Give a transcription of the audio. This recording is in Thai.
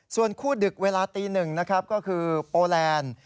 ส่วนคู่ดึกเวลาตี๑ก็คือโปแลน